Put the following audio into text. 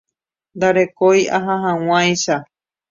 Ndarekói aha hag̃uáicha.